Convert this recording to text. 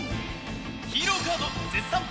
ヒーローカード絶賛募集中！